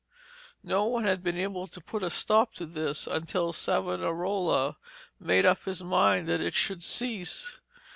No one had been able to put a stop to this until Savonarola made up his mind that it should cease.